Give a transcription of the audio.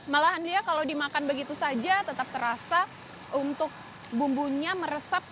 malahan dia kalau dimakan begitu saja tetap terasa untuk bumbunya meresap